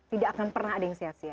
tidak akan pernah ada yang sia sia